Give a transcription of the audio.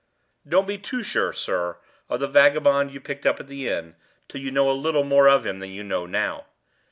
"Don't be too sure, sir, of the vagabond you picked up at the inn till you know a little more of him than you know now.